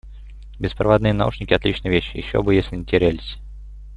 Беспроводные наушники - отличная вещь, ещё бы если не терялись.